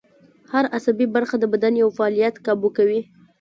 هر عصبي برخه د بدن یو فعالیت کابو کوي